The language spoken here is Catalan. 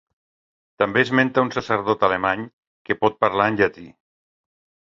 També esmenta un sacerdot alemany, que pot parlar en llatí.